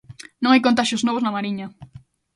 Non hai contaxios novos na Mariña.